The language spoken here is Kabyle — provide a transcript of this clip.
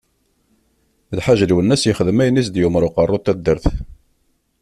Lḥaǧ Lwennas yexdem ayen i s-d-yumeṛ Uqeṛṛu n taddart.